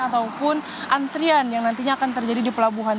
ataupun antrian yang nantinya akan terjadi di pelabuhan